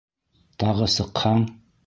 Тағы сыҡһаң!..